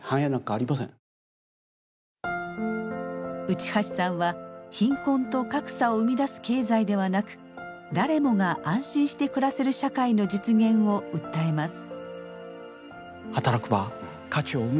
内橋さんは貧困と格差を生み出す経済ではなく誰もが安心して暮らせる社会の実現を訴えます。